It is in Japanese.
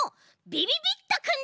びびびっとくん？